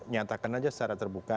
nyatakan saja secara terbuka